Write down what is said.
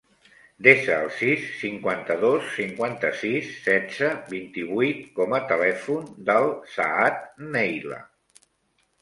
Desa el sis, cinquanta-dos, cinquanta-sis, setze, vint-i-vuit com a telèfon del Saad Neila.